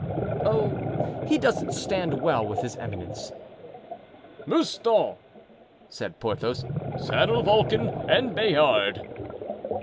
"Oh, he doesn't stand well with his eminence." "Mouston," said Porthos, "saddle Vulcan and Bayard."